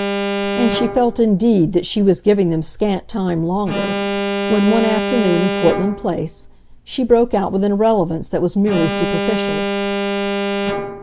And she felt indeed that she was giving them scant time longer when, one afternoon in Portland Place, she broke out with an irrelevance that was merely superficial.